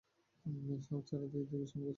Shower ছেড়ে দিয়ে দীর্ঘ সময় গোসল করলেন।